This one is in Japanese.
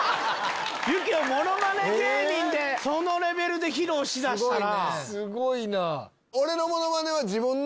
ユキホものまね芸人でそのレベルで披露し出したら。